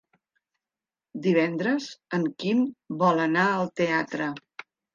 Divendres en Quim vol anar al teatre.